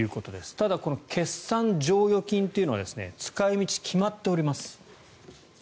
ただ、決算剰余金というのは使い道が決まっております。